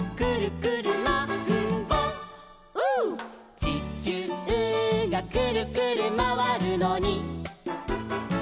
「ちきゅうがくるくるまわるのに」